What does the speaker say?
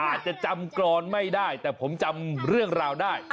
อาจจะจำกรอนไม่ได้แต่ผมจำเรื่องราวได้